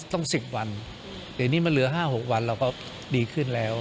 ต้อง๑๐วันเดี๋ยวนี้มันเหลือ๕๖วันเราก็ดีขึ้นแล้ว